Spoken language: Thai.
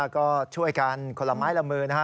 ก็ช่วยกันคนละไม้ละมือนะฮะ